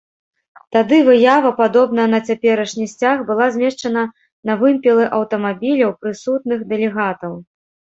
Тады выява, падобная на цяперашні сцяг была змешчана на вымпелы аўтамабіляў прысутных дэлегатаў.